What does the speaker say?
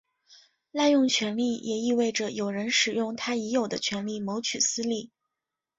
滥用权力也意味着有人使用他已有的权力谋取私利。